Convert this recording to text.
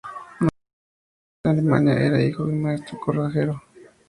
Nacido en Elberfeld, Alemania, era hijo de un maestro cerrajero.